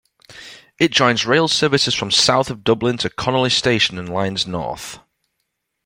It joins rail services from south of Dublin to Connolly Station and lines north.